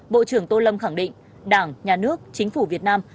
bộ trưởng tô lâm khẳng định đảng nhà nước chính phủ việt nam